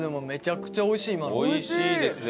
美味しいですね。